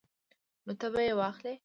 نو ته به یې واخلې